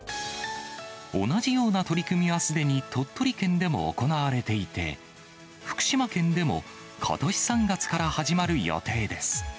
同じような取り組みはすでに鳥取県でも行われていて、福島県でもことし３月から始まる予定です。